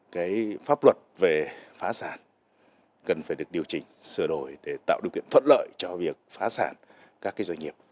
cái pháp luật về phá sản cần phải được điều chỉnh sửa đổi để tạo điều kiện thuận lợi cho việc phá sản các doanh nghiệp